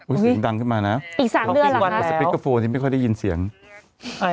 อุ๊ยสีดังขึ้นมาแล้วเพราะสพิกเกอร์โฟนที่ไม่ค่อยได้ยินเสียงอีก๓เดือนกว่าแล้ว